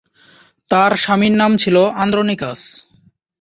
তার স্বামীর নাম ছিল আন্দ্রোনিকাস।